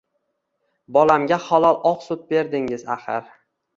Bolamga halol oq sut berdingiz, axir